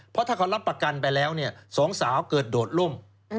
เพราะถ้าเขารับประกันไปแล้วเนี่ยสองสาวเกิดโดดล่ม